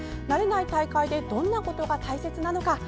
慣れない大会でどんなことが大切なのか